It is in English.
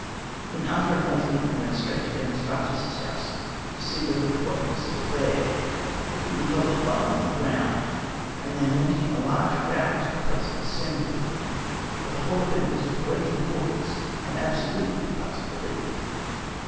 In utter amazement, we went straight to Demostratus's house to see whether the body was still there. We beheld it lying on the ground, and then went in a large crowd to the place of assembly, for the whole event was of great importance and absolutely past belief.